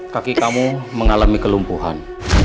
kaki kamu mengalami kelumpuhan